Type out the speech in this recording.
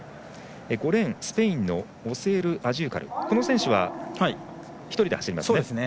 ５レーン、スペインのオセースアジューカルは１人で走りますね。